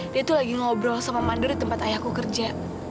dia tuh lagi ngobrol sama mandur di tempat ayahku kerja